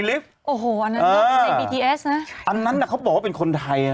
โหยวายโหยวายโหยวายโหยวายโหยวายโหยวาย